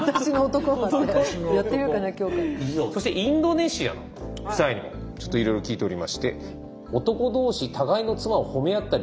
そしてインドネシアの夫妻にもちょっといろいろ聞いておりまして。